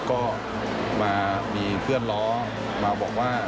ก็มามีเพื่อนล้อมาบอกว่า